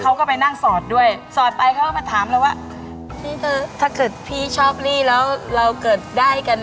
เขาก็ถามว่าชื่ออะไร